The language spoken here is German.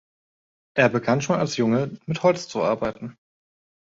Er begann schon als Junge mit Holz zu arbeiten.